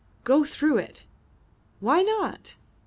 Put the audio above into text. Go through it. Why not?